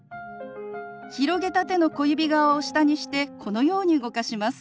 広げた手の小指側を下にしてこのように動かします。